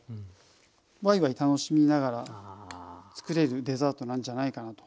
ワイワイ楽しみながら作れるデザートなんじゃないかなと。